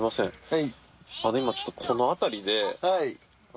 はい。